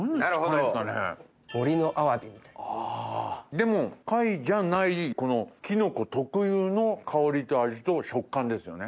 でも貝じゃないこのキノコ特有の香りと味と食感ですよね。